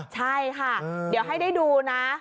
ใช่ค่ะเดี๋ยวให้ได้ดูนะ